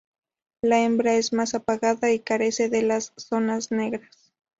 La hembra es más apagada y carece de las zonas negras.